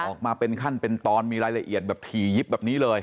ออกมาเป็นขั้นเป็นตอนมีรายละเอียดแบบถี่ยิบแบบนี้เลย